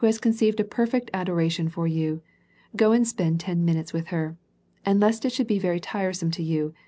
^ j'onceived a perfect adoration for you. Go and sjM'nd ten mutes with her.* And lest it should be very tiresome to .*'>u.